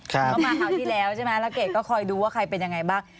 ก็มาคราวที่แล้วใช่ไหมแล้วเกดก็คอยดูว่าใครเป็นยังไงบ้าง